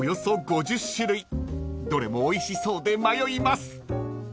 ［どれもおいしそうで迷います］